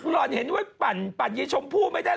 หลอนเห็นไว้ปั่นปั่นเย้ยชมพูไม่ได้